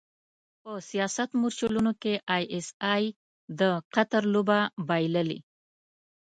په سیاست مورچلونو کې ای ایس ای د قطر لوبه بایللې.